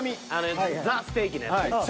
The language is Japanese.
ザ・ステーキなやつね。